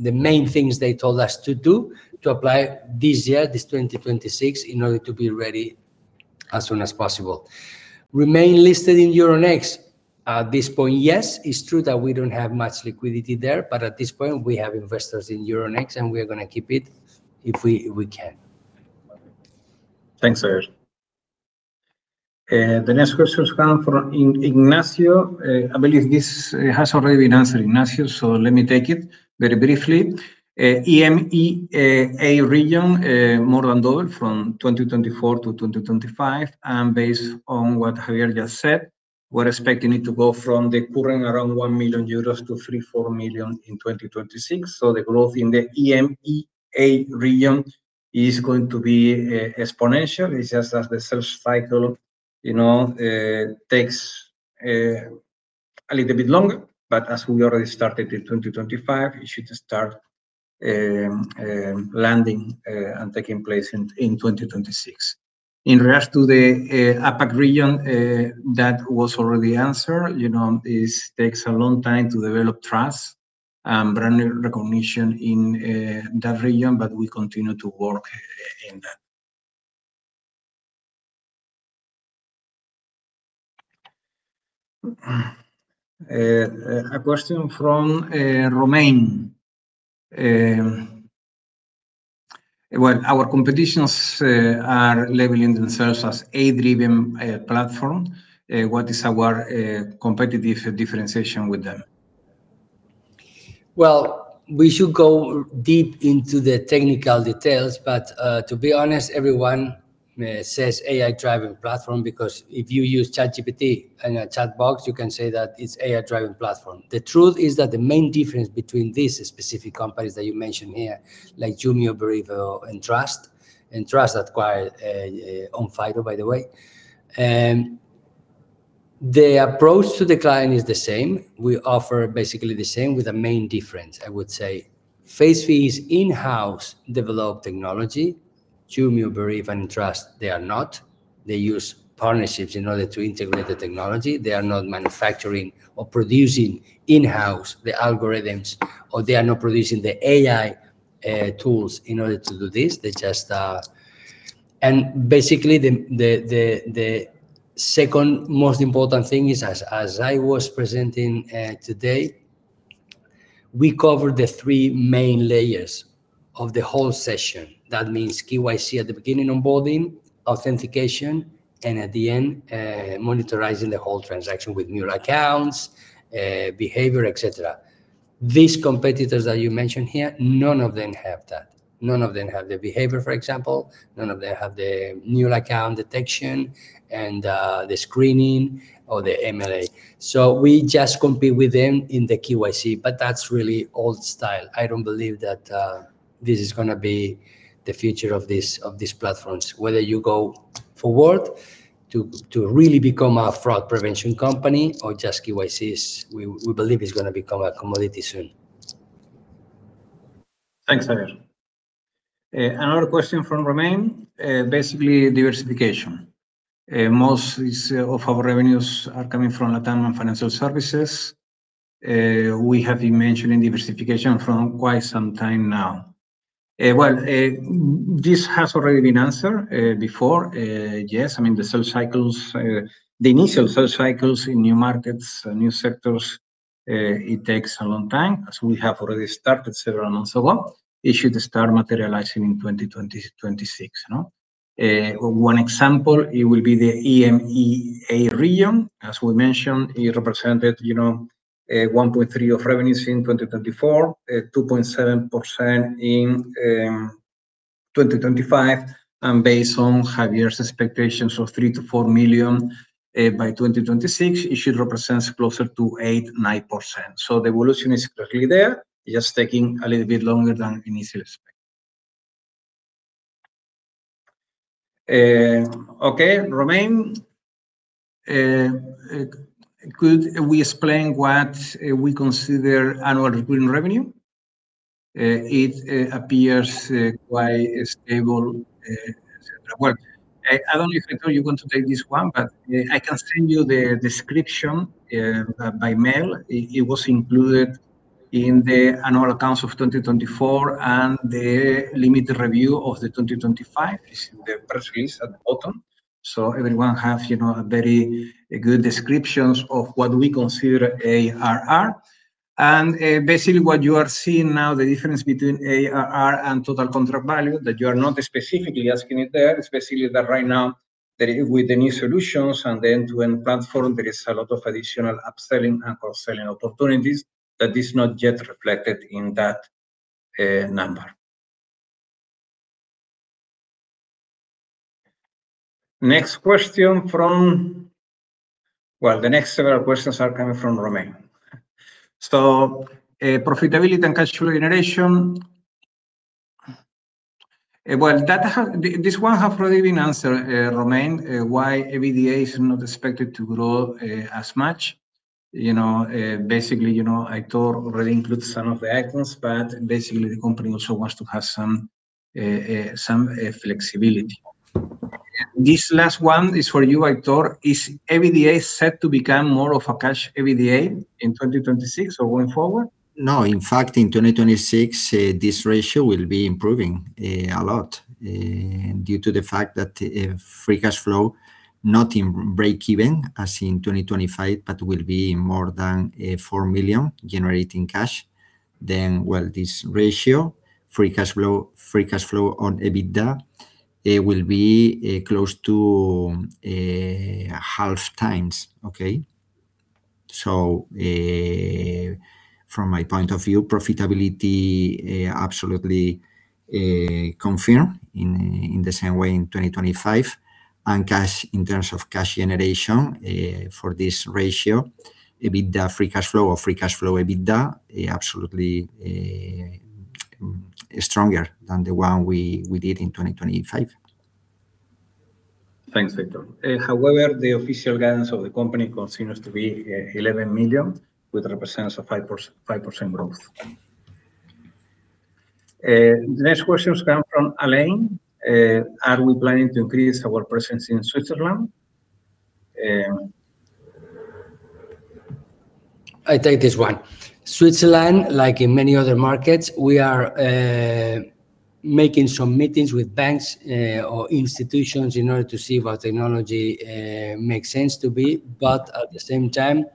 S2: main things they told us to do to apply this year, this 2026, in order to be ready as soon as possible. Remain listed in Euronext at this point. Yes, it's true that we don't have much liquidity there, but at this point we have investors in Euronext and we're gonna keep it if we can.
S1: Thanks, Javier Mira. The next question has come from Ignacio. I believe this has already been answered, Ignacio, so let me take it very briefly. EMEA region more than doubled from 2024 to 2025. Based on what Javier just said, we're expecting it to go from the current around 1 million euros to 3 million, 4 million in 2026. The growth in the EMEA region is going to be exponential. It's just that the sales cycle, you know, takes a little bit longer. As we already started in 2025, it should start landing and taking place in 2026. In regards to the APAC region, that was already answered. You know, it takes a long time to develop trust, brand recognition in that region, but we continue to work in that. A question from Romain. Well, our competitions are labeling themselves as AI-driven platform. What is our competitive differentiation with them?
S2: Well, we should go deep into the technical details, but, to be honest, everyone says AI-driven platform because if you use ChatGPT in a chat box, you can say that it's AI-driven platform. The truth is that the main difference between these specific companies that you mentioned here, like Jumio, Veriff, Entrust acquired Onfido, by the way, the approach to the client is the same. We offer basically the same with a main difference, I would say. Facephi is in-house developed technology. Jumio, Veriff, and Entrust, they are not. They use partnerships in order to integrate the technology. They are not manufacturing or producing in-house the algorithms, or they are not producing the AI tools in order to do this. They just, basically, the second most important thing is, as I was presenting, today, we covered the three main layers of the whole session. That means KYC at the beginning, onboarding, authentication, and at the end, monitoring the whole transaction with mule accounts, behavior, et cetera. These competitors that you mentioned here, none of them have that. None of them have the behavior, for example. None of them have the mule account detection and the screening or the AML. We just compete with them in the KYC, but that's really old style. I don't believe that this is gonna be the future of these platforms. Whether you go forward to really become a fraud prevention company or just KYCs, we believe it's gonna become a commodity soon.
S1: Thanks, Javier. Another question from Romain. Basically diversification. Most of our revenues are coming from Latin American financial services. We have been mentioning diversification for quite some time now. Well, this has already been answered before. Yes, I mean, the sales cycles, the initial sales cycles in new markets and new sectors, it takes a long time. As we have already started several months ago, it should start materializing in 2026, no? One example, it will be the EMEA region. As we mentioned, it represented, you know, 1.3% of revenues in 2024, 2.7% in 2025. Based on Javier's expectations of 3 million-4 million by 2026, it should represent closer to 8%-9%. The evolution is clearly there, just taking a little bit longer than initial. Okay, Romain, could we explain what we consider annual recurring revenue? It appears quite stable, et cetera. Well, I don't know if you want to take this one, but I can send you the description by mail. It was included in the annual accounts of 2024, and the limited review of the 2025 is in the press release at the bottom. Everyone have, you know, a very good descriptions of what we consider ARR. And basically what you are seeing now, the difference between ARR and total contract value, that you are not specifically asking it there, especially that right now that with the new solutions and the end-to-end platform, there is a lot of additional upselling and cross-selling opportunities that is not yet reflected in that number. Next question from Well, the next several questions are coming from Romain. Profitability and cash flow generation. Well, this one have already been answered, Romain, why EBITDA is not expected to grow as much. You know, basically, you know, Aitor already includes some of the items, but basically the company also wants to have some flexibility. This last one is for you, Aitor. Is EBITDA set to become more of a cash EBITDA in 2026 or going forward?
S3: No. In fact, in 2026, this ratio will be improving a lot due to the fact that free cash flow, not in break-even as in 2025, but will be more than 4 million generating cash. Well, this ratio, free cash flow, free cash flow on EBITDA, it will be close to half times. From my point of view, profitability absolutely confirm in the same way in 2025. Cash, in terms of cash generation, for this ratio, EBITDA free cash flow or free cash flow EBITDA, absolutely stronger than the one we did in 2025.
S1: Thanks, Aitor. However, the official guidance of the company continues to be 11 million, which represents a 5% growth. The next questions come from Alain. Are we planning to increase our presence in Switzerland?
S2: I take this one. Switzerland, like in many other markets, we are making some meetings with banks or institutions in order to see what technology makes sense to be. At the same time,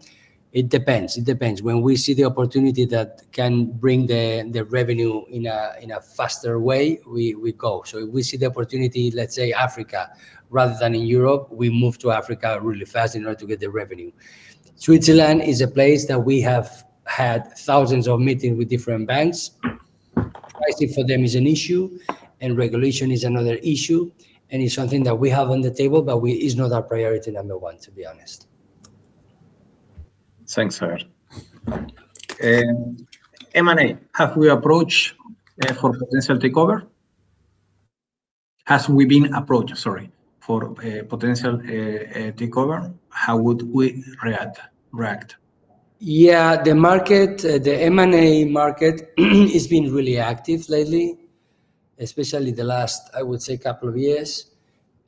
S2: it depends. It depends. When we see the opportunity that can bring the revenue in a faster way, we go. If we see the opportunity, let's say Africa rather than in Europe, we move to Africa really fast in order to get the revenue. Switzerland is a place that we have had thousands of meetings with different banks. Pricing for them is an issue, and regulation is another issue, and it's something that we have on the table, but it's not our priority number one, to be honest. Thanks, Javier. M&A. Have we approached for potential takeover? Have we been approached, sorry, for a potential takeover? How would we react? Yeah. The market, the M&A market has been really active lately, especially the last, I would say, two years.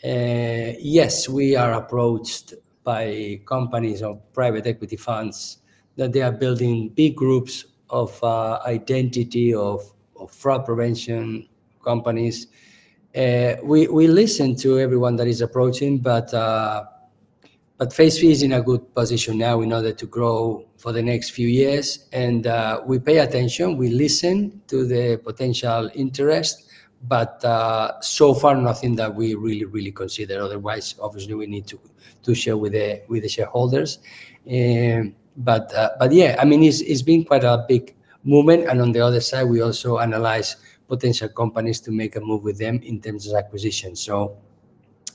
S2: Yes, we are approached by companies or private equity funds that they are building big groups of identity, of fraud prevention companies. We listen to everyone that is approaching, but Facephi is in a good position now in order to grow for the next few years. We pay attention, we listen to the potential interest, but so far nothing that we really consider. Otherwise, obviously, we need to share with the shareholders. But yeah. I mean, it's been quite a big movement. On the other side, we also analyze potential companies to make a move with them in terms of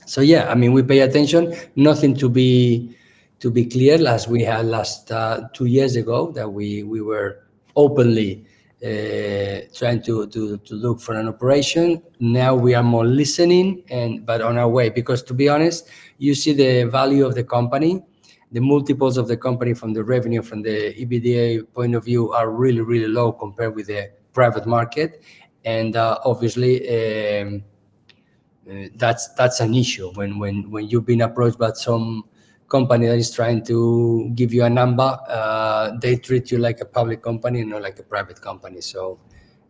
S2: acquisitions. Yeah. I mean, we pay attention. Nothing to be clear as we had last two years ago that we were openly trying to look for an operation. Now we are more listening on our way. To be honest, you see the value of the company, the multiples of the company from the revenue, from the EBITDA point of view are really low compared with the private market. Obviously, that's an issue when you've been approached by some company that is trying to give you a number. They treat you like a public company, not like a private company.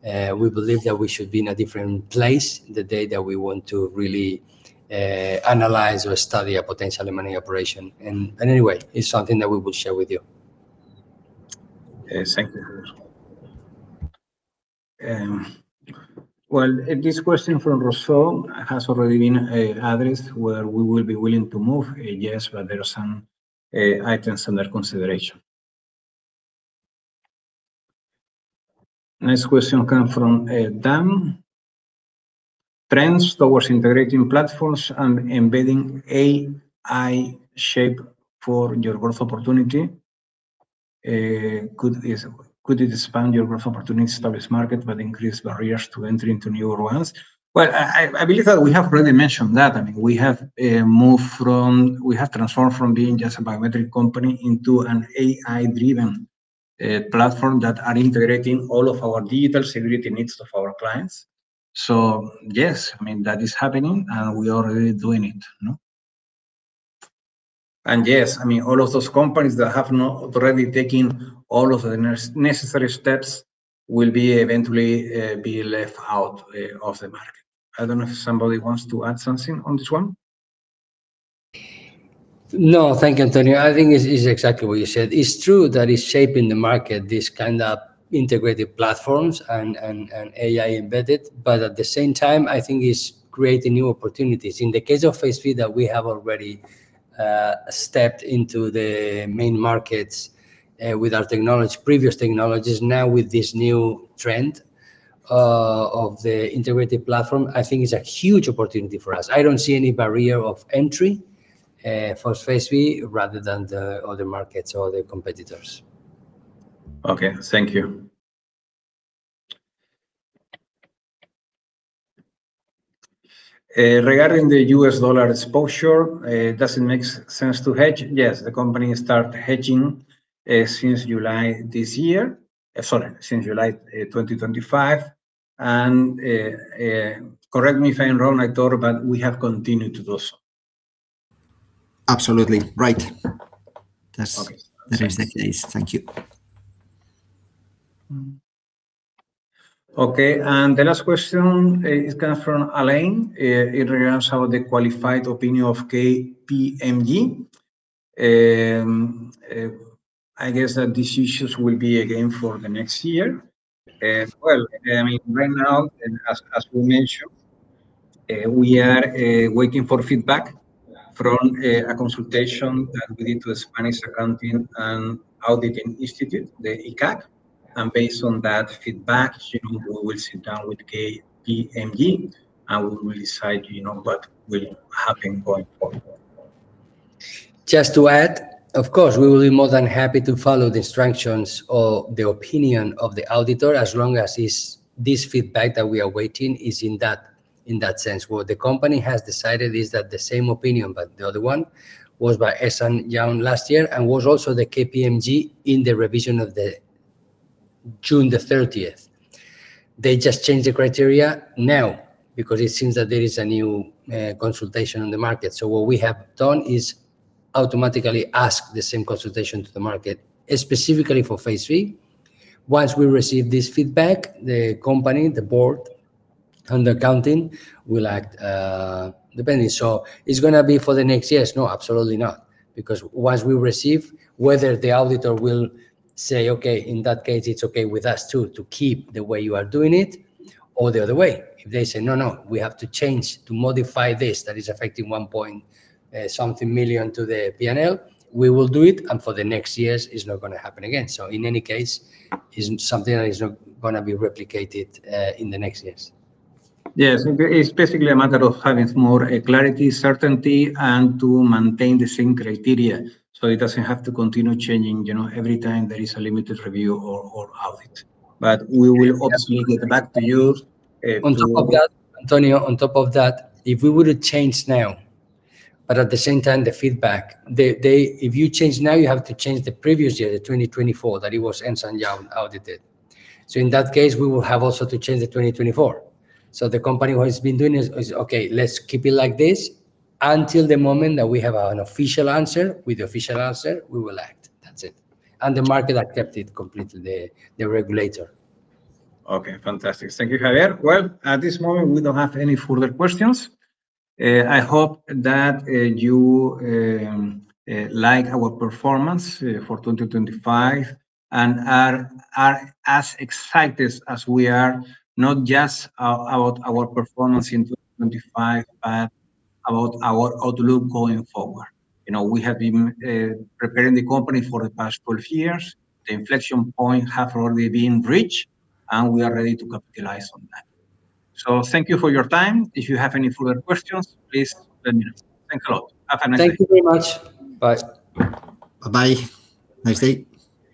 S2: We believe that we should be in a different place the day that we want to really analyze or study a potential M&A operation. Anyway, it's something that we will share with you.
S1: Yes. Thank you, Javier. Well, this question from Rousseau has already been addressed, where we will be willing to move. Yes, but there are some items under consideration. Next question come from Dan. Trends towards integrating platforms and embedding AI shape for your growth opportunity. Could it expand your growth opportunity established market but increase barriers to entry into newer ones? Well, I believe that we have already mentioned that. I mean, we have transformed from being just a biometric company into an AI-driven platform that are integrating all of our digital security needs of our clients. Yes, I mean, that is happening, and we are already doing it, you know. Yes, I mean, all of those companies that have not already taken all of the necessary steps will be eventually be left out of the market. I don't know if somebody wants to add something on this one.
S2: No, thank you, Antonio. I think it's exactly what you said. It's true that it's shaping the market, this kind of integrated platforms and AI embedded, but at the same time, I think it's creating new opportunities. In the case of Facephi, that we have already stepped into the main markets with our technology, previous technologies. Now, with this new trend of the integrated platform, I think it's a huge opportunity for us. I don't see any barrier of entry for Facephi rather than the other markets or the competitors.
S1: Okay. Thank you. Regarding the US dollar exposure, does it make sense to hedge? Yes, the company start hedging since July this year. Sorry, since July 2025, and correct me if I'm wrong, Aitor, but we have continued to do so.
S3: Absolutely. Right.
S1: Okay.
S3: That is the case. Thank you.
S1: Okay, the last question is coming from Alain. It regards how the qualified opinion of KPMG. I guess that these issues will be again for the next year. I mean, right now, as we mentioned, we are waiting for feedback from a consultation that we did to Spanish Accounting and Auditing Institute, the ICAC. Based on that feedback, you know, we will sit down with KPMG, and we will decide, you know, what will happen going forward.
S2: Just to add, of course, we will be more than happy to follow the instructions or the opinion of the auditor as long as this feedback that we are waiting is in that sense. What the company has decided is that the same opinion, but the other one was by Ernst & Young last year and was also the KPMG in the revision of June 30th. They just changed the criteria now because it seems that there is a new consultation on the market. What we have done is automatically ask the same consultation to the market, specifically for Facephi. Once we receive this feedback, the company, the board and accounting will act depending. It's gonna be for the next years? No, absolutely not. Once we receive, whether the auditor will say, "Okay, in that case, it's okay with us to keep the way you are doing it," or the other way. If they say, "No, we have to change to modify this," that is affecting 1 million point something to the P&L, we will do it, and for the next years, it's not gonna happen again. In any case, it's something that is not gonna be replicated in the next years.
S1: Yes. It's basically a matter of having more clarity, certainty, and to maintain the same criteria, so it doesn't have to continue changing, you know, every time there is a limited review or audit. We will obviously get back to you.
S2: On top of that, Antonio, on top of that, if we were to change now, but at the same time, the feedback, If you change now, you have to change the previous year, the 2024 that it was Ernst & Young audited. In that case, we will have also to change the 2024. The company what it's been doing is, "Okay, let's keep it like this until the moment that we have an official answer. With the official answer, we will act." That's it. The market accepted completely the regulator.
S1: Okay. Fantastic. Thank you, Javier. Well, at this moment, we don't have any further questions. I hope that you like our performance for 2025 and are as excited as we are, not just about our performance in 2025, but about our outlook going forward. You know, we have been preparing the company for the past 12 years. The inflection point have already been reached, and we are ready to capitalize on that. Thank you for your time. If you have any further questions, please let me know. Thank you a lot. Have a nice day.
S2: Thank you very much.
S3: Bye. Bye-bye. Nice day.